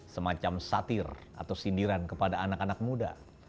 semacam satir atau sindiran kepada anak anak muda